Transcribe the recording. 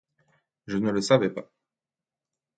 Je ne le savais pas.